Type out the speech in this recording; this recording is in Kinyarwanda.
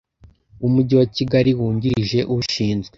w Umujyi wa Kigali Wungirije ushinzwe